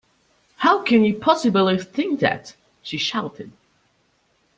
How can you possibly think that? she shouted